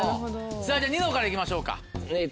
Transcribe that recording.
さぁじゃあニノから行きましょうか。